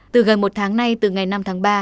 từ gần một tháng nay từ ngày năm tháng ba